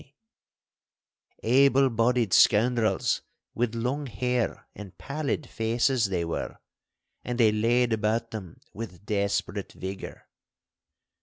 Able bodied scoundrels with long hair and pallid faces they were, and they laid about them with desperate vigour.